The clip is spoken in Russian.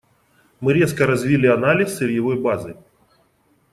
Мы резко развили анализ сырьевой базы.